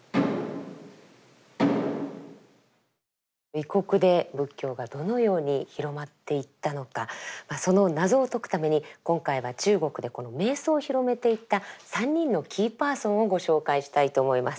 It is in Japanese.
異国で仏教がどのように広まっていったのかその謎を解くために今回は中国でこの瞑想を広めていった３人のキーパーソンをご紹介したいと思います。